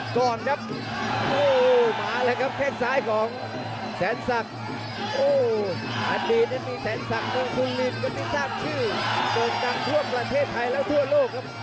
ทั้งทั่วประเทศไทยและทั่วโลกครับ